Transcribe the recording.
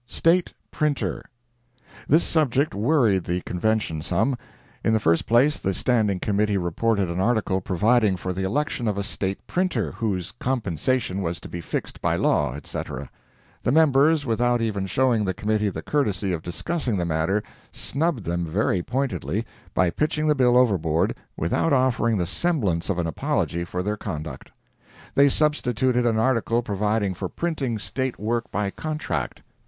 STATE PRINTER This subject worried the Convention some. In the first place, the Standing Committee reported an article providing for the election of a State Printer, whose compensation was to be fixed by law, etc. The members, without even showing the Committee the courtesy of discussing the matter, snubbed them very pointedly, by pitching the bill overboard without offering the semblance of an apology for their conduct. They substituted an article providing for printing State work by contract.